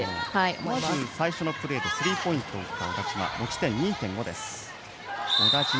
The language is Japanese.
まず最初のプレーでスリーポイントを打った小田島は持ち点２．５です。